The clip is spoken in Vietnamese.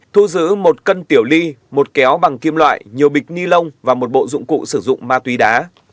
thu giữ một cân tiểu ly một kéo bằng kim loại nhiều bịch ni lông và một bộ dụng cụ sử dụng ma túy đá